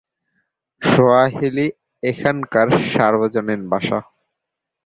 Swahili এখানকার সার্বজনীন ভাষা।